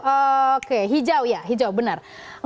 oke hijau ya hijau benar